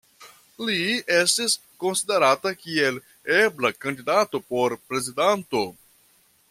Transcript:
Li estis konsiderata kiel ebla kandidato por prezidanto.